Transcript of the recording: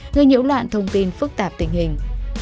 người nhiễu loạn thông tin phức tạp tình hình